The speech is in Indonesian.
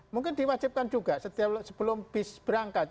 mungkin diwajibkan juga sebelum bis berangkat